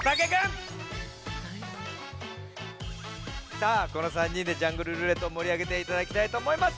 さあこの３にんで「ジャングルるーれっと」をもりあげていただきたいとおもいます！